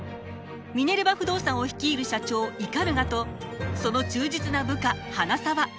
ミネルヴァ不動産を率いる社長鵤とその忠実な部下花澤。